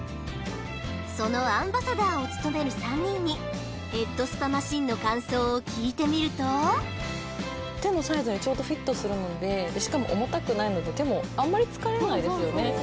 そのアンバサダーを務める３人にヘッドスパマシンの感想を聞いてみると手のサイズにちょうどフィットするのでしかも重たくないので手もあんまり疲れないですよね。